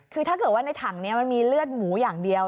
คือถ้าเกิดว่าในถังนี้มันมีเลือดหมูอย่างเดียว